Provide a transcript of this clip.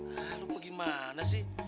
hah lu gimana sih